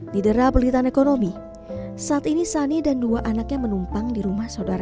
di dera pelitian ekonomi saat ini sani dan dua anaknya menumpang di rumah saudara